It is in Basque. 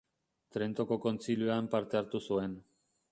Trentoko Kontzilioan parte hartu zuen.